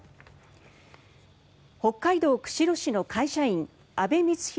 北海道釧路市の会社員阿部光浩